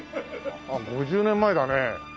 ５０年前だねえ。